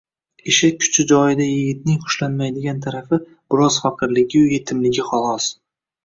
ishi- kuchi joyida yigitning xushlanmaydigan tarafi biroz faqirligiyu, yetimligi, xolos.